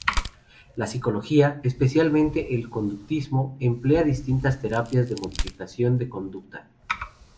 La psicología, especialmente el conductismo, emplea distintas terapias de modificación de conducta.